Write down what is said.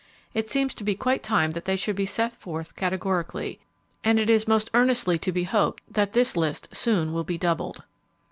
It seems to be quite time that they should be set forth categorically; and it is most earnestly to be hoped that this list soon will be doubled.